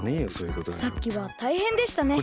さっきはたいへんでしたね。